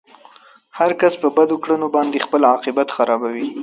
هر کس په بدو کړنو باندې خپل عاقبت خرابوي.